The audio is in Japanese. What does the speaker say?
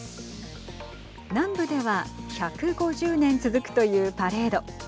南部では１５０年続くというパレード。